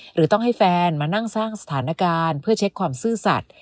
หรือต้องให้แฟนมานั่งสร้างสถานการณ์เพื่อเช็คความซื่อสัตว์